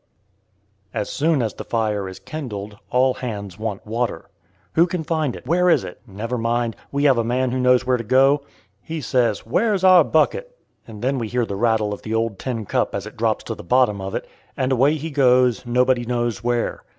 As soon as the fire is kindled all hands want water. Who can find it? Where is it? Never mind; we have a man who knows where to go. He says, "Where's our bucket?" and then we hear the rattle of the old tin cup as it drops to the bottom of it, and away he goes, nobody knows where.